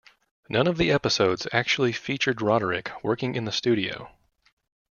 None of the episodes actually featured Roderick working in the studio.